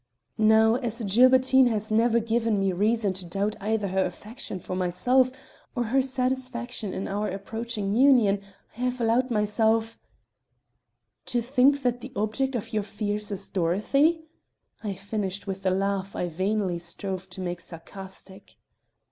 Now, as Gilbertine has never given me reason to doubt either her affection for myself or her satisfaction in our approaching union, I have allowed myself " "To think that the object of your fears is Dorothy," I finished with a laugh I vainly strove to make sarcastic.